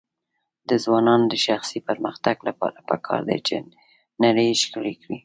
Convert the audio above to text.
د ځوانانو د شخصي پرمختګ لپاره پکار ده چې نړۍ ښکلی کړي.